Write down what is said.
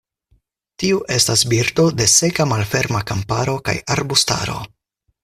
Tiu estas birdo de seka malferma kamparo kaj arbustaro.